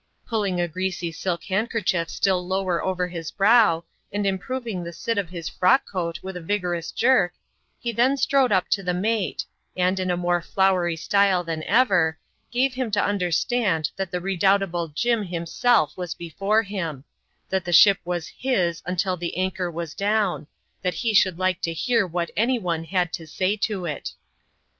Pulling a greasy silk handkerchief still lower over his brow, and improving the sit of his frock coat with a vigorous jerk, he then strode up to the mate ; and, in a more flowery style than ever, gave him to understand that the re doubtable " Jim" himself was before him ; that the ship was Ms until the anchor was down ; and he should like to hear what any one had to say to it.